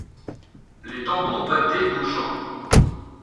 Les tambours battaient aux champs.